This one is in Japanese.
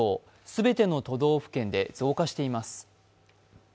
全ての都道府県で増加しています。